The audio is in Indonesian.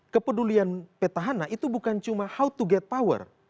kepedulian petahana itu bukan cuma how to get power